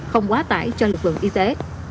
không quá tải cho lực lượng y tế